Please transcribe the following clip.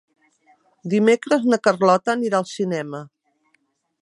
Dimecres na Carlota anirà al cinema.